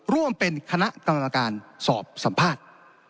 ร่วมเป็นคณะกรรมการสอบสัมภาษณ์